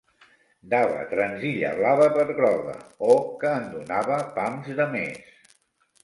Dava trenzilla blava per groga o que en donava pams de més